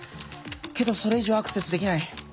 けどそれ以上アクセスできない。